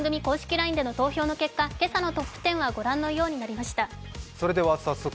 ＬＩＮＥからの投票の結果、今朝のトップ１０はご覧のようになりました。